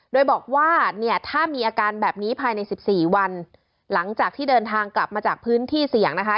โดยบอกว่าเนี่ยถ้ามีอาการแบบนี้ภายในสิบสี่วันหลังจากที่เดินทางกลับมาจากพื้นที่เสี่ยงนะคะ